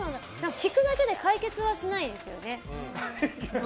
聞くだけで解決はしないですよね。